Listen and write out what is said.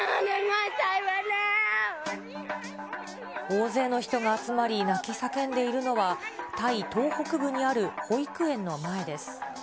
大勢の人が集まり、泣き叫んでいるのは、タイ東北部にある保育園の前です。